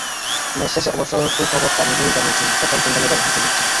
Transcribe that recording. Match শেষে অবশ্য সুখবরটা নিজেই জানিয়েছেন, প্রথম সন্তানের বাবা হতে যাচ্ছেন।